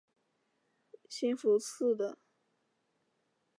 兴福寺的。